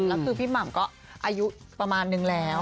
แล้วคือพี่หม่ำก็อายุประมาณนึงแล้ว